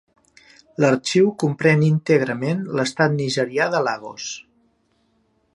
L’arxiu comprèn íntegrament l’estat nigerià de Lagos.